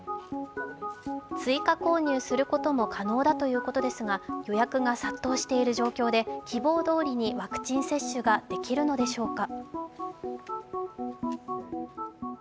追加購入することも可能だということですが、予約が殺到している状況で希望どおりにワクチン接種ができるのでしょうか。